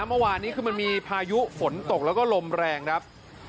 เมื่อวานนี้คือมันมีพายุฝนตกแล้วก็ลมแรงครับ